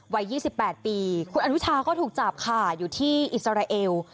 วัย๒๘ปีคุณอนุชาก็ถูกจับค่ะอยู่ที่อิสราเอล